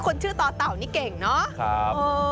คนชื่อต่อเต่านี่เก่งเนาะ